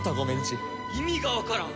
意味がわからん。